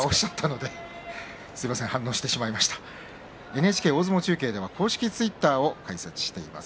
ＮＨＫ大相撲中継では公式ツイッターを開設しています。